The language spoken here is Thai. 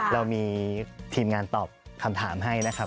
เรามีทีมงานตอบคำถามให้นะครับ